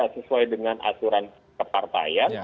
sesuai dengan aturan kepartaian